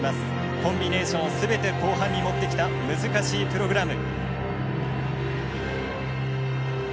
コンビネーションを全て後半に持ってきた難しいプログラム。